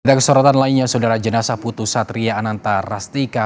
tidak kesorotan lainnya saudara jenazah putus satria anantar rastika